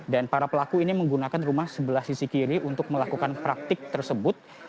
dan para pelaku ini menggunakan rumah sebelah sisi kiri untuk melakukan praktik tersebut